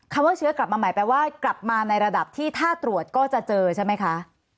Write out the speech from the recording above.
ว่าเชื้อกลับมาใหม่แปลว่ากลับมาในระดับที่ถ้าตรวจก็จะเจอใช่ไหมคะ